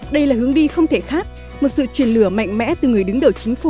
đây là hướng đi không thể khác một sự truyền lửa mạnh mẽ từ người đứng đầu chính phủ